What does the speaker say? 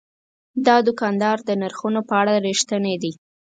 دا دوکاندار د نرخونو په اړه رښتینی دی.